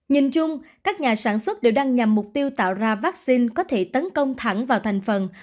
nhìn chung các nhà sản xuất đều đang nhằm mục tiêu tạo ra vaccine có thể tấn công thẳng vào thành phần